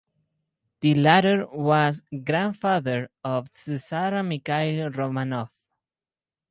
The latter was grandfather of tsar Mikhail Romanov.